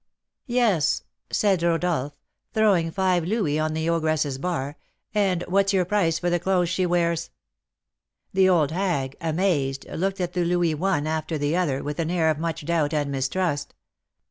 "Yes," said Rodolph, throwing five louis on the ogress's bar, "and what's your price for the clothes she wears?" The old hag, amazed, looked at the louis one after the other, with an air of much doubt and mistrust.